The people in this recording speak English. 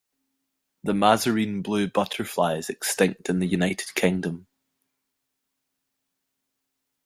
The Mazarine Blue butterfly is extinct in the United Kingdom.